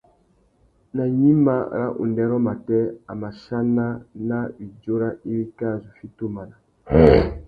Nà gnïmá râ undêrô matê, a mà chana nà widjura iwí kā zu fiti umana.